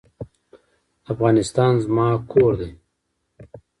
افغانستان زما کور دی؟